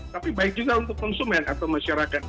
tapi baik juga untuk konsumen atau masyarakat